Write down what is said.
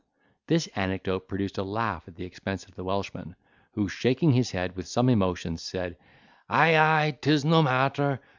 This anecdote produced a laugh at the expense of the Welshman, who, shaking his head with some emotion, said, "Ay, ay, 'tis no matter.